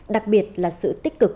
đặc biệt là sự tích cực